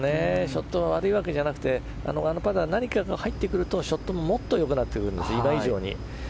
ショットが悪いわけじゃなくてパターか何かが入ってくるとショットももっと良くなってくるんです今以上に。